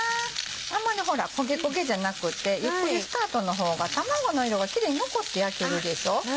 あんまり焦げ焦げじゃなくってゆっくりスタートの方が卵の色がキレイに残って焼けるでしょ。